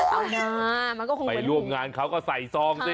เอาหน้ามันก็คงเป็นไปร่วมงานเขาก็ใส่ซองสิ